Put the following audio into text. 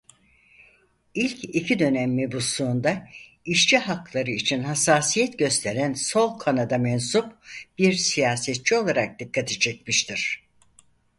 İlk iki dönem mebusluğunda işçi hakları için hassasiyet gösteren sol kanada mensup bir siyasetçi olarak dikkati çekmiştir.